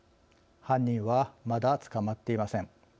犯人はまだ捕まっていません。